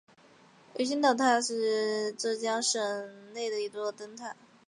鱼腥脑岛灯塔是浙江省岱山县境内的一座灯塔。